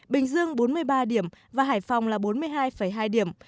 bình dương bốn mươi ba điểm và hải phòng là bốn mươi hai hai điểm